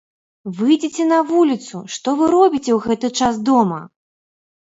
Выйдзіце на вуліцу, што вы робіце ў гэты час дома?